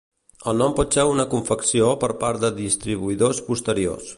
El nom pot ser una confecció per part de distribuïdors posteriors.